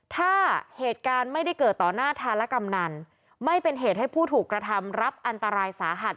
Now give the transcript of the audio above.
ถ้าเหตุการณ์ไม่ได้เกิดต่อหน้าธารกำนันไม่เป็นเหตุให้ผู้ถูกกระทำรับอันตรายสาหัส